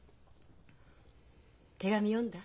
手紙読んだ？